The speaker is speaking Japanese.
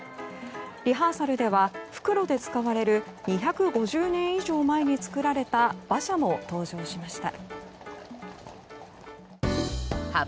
リハーサルでは、復路で使われる２５０年以上前に作られた馬車も登場しました。